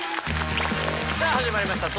さあ始まりました